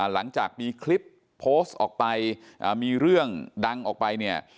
หลังจากมีคลิปโพสต์ออกไปมีเรื่องดังออกไปเนี่ย